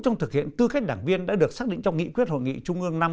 trong thực hiện tư cách đảng viên đã được xác định trong nghị quyết hội nghị trung ương năm